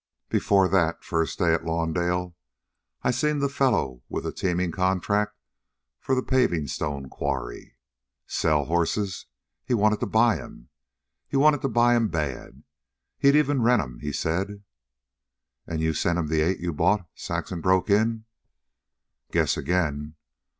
"Before that, first day, at Lawndale, I seen the fellow with the teamin' contract for the pavin' stone quarry. Sell horses! He wanted to buy 'em. He wanted to buy 'em bad. He'd even rent 'em, he said." "And you sent him the eight you bought!" Saxon broke in. "Guess again.